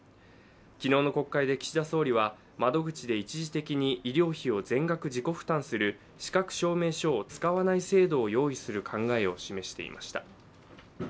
昨日の国会で岸田総理は、窓口で一時的に医療費を全額自己負担する資格証明書を使わない制度を用意する考えを示していました。